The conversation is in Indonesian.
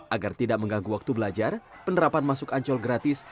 agar tidak mengganggu waktu belajar penerapan masuk ancol gratis